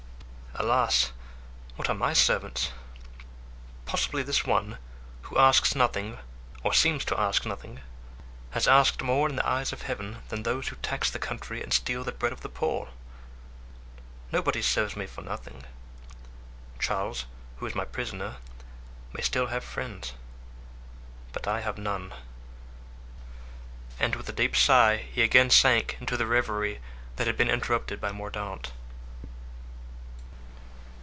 "Alas! what are my servants? Possibly this one, who asks nothing or seems to ask nothing, has asked more in the eyes of Heaven than those who tax the country and steal the bread of the poor. Nobody serves me for nothing. Charles, who is my prisoner, may still have friends, but I have none!" And with a deep sigh he again sank into the reverie that had been interrupted by Mordaunt.